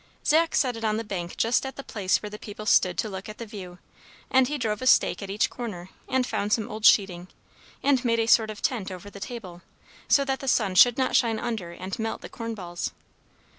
Zach set it on the bank just at the place where the people stood to look at the view; and he drove a stake at each corner; and found some old sheeting, and made a sort of tent over the table, so that the sun should not shine under and melt the corn balls.